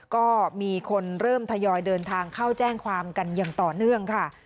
ก็มีคนเริ่มทยอยเดินทางเข้าแจ้งความกันอย่างต่อเนื่องค่ะ